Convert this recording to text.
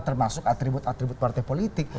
termasuk atribut atribut partai politik